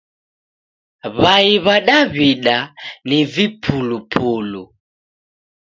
W'ai wa daw'ida ni vipulupulu